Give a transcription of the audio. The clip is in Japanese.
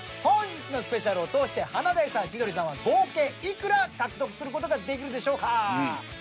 本日のスペシャルを通して華大さん千鳥さんは合計いくら獲得する事ができるでしょうか？